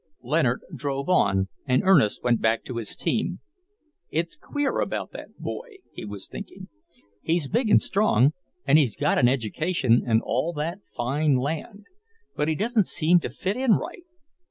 Leonard drove on, and Ernest went back to his team. "It's queer about that boy," he was thinking. "He's big and strong, and he's got an education and all that fine land, but he don't seem to fit in right."